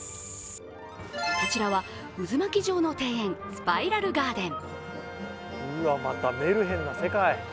こちらは渦巻き状の庭園スパイラルガーデン。